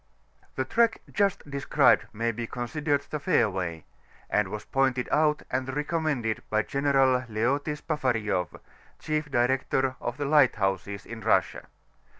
The track just described may be considered the fairway, and was pointed out and recommended by General Leoty Spafarieff, Chief Director of the Lighthouses in Russia.